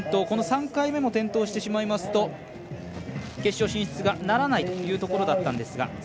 この３回目も転倒してしまいますと決勝進出がならないというところだったんですが。